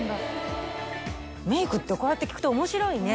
メイクってこうやって聞くと面白いね。